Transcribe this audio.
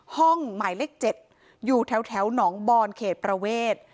หมายเลข๗อยู่แถวหนองบอนเขตประเวท